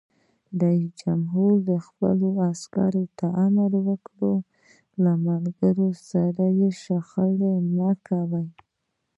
رئیس جمهور خپلو عسکرو ته امر وکړ؛ له ملګرو سره شخړه مه کوئ!